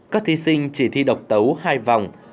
các thí sinh chỉ thi độc tấu hai vòng